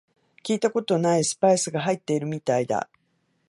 聞いたことないスパイスが入ってるみたいだ